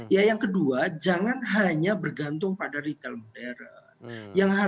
ya yang kedua jangan hanya bergantung pada retail modern